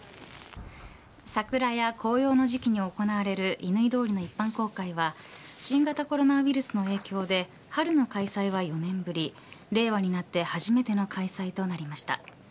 桜や紅葉の時期に行われる乾通りの一般公開が新型コロナウイルスの影響で春の開催は４年ぶり令和になって初めての開催となりました。